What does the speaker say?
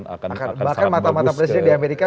bahkan mata mata presiden di amerika